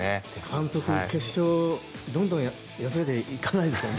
監督、決勝どんどんやつれていかないですかね。